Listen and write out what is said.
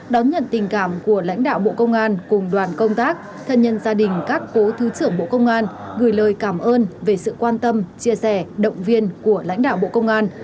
đón nhận tình cảm của lãnh đạo bộ công an cùng đoàn công tác thân nhân gia đình các cố thứ trưởng bộ công an gửi lời cảm ơn về sự quan tâm chia sẻ động viên của lãnh đạo bộ công an